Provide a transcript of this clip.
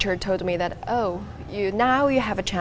guru itu memberitahu saya bahwa